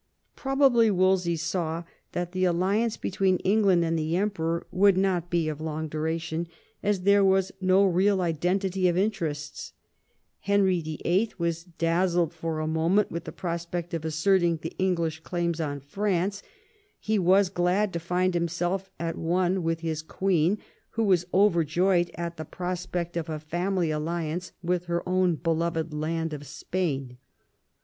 Probably Wolsey saw that the alliance between England and the Emperor would not be of long duration, as there was no real identity of interests. Henry VIH. was dazzled for a moment with the prospect of asserting the English claims on France ; he was glad to find himself at one with his queen, who was overjoyed at the prospect of a family alliance with her own beloved land of Spain.